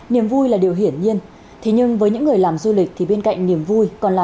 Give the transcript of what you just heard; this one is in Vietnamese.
niềm vui là điều hiển nhiên thế nhưng với những người làm du lịch thì bên cạnh niềm vui còn là